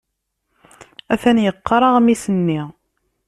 Atan yeqqar aɣmis-nni.